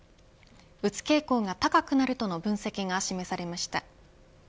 うつ傾向が高くなるとの分析が示されました。